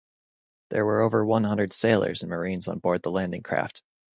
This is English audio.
There were over one hundred sailors and marines on board the landing craft.